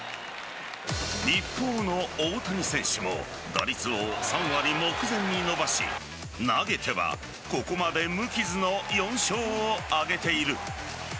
一方の大谷選手も打率を３割目前に伸ばし投げてはここまで無傷の４勝を挙げている。